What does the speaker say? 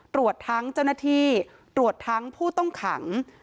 ตรวจทั้งเจ้าหน้าที่ตรวจทั้งผู้ต้องขัง